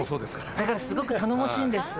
だからすごく頼もしいんです。